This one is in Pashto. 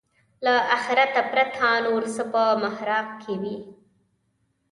له آخرته پرته نور څه په محراق کې وي.